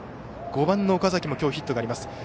５番の岡崎にも今日ヒットがあります。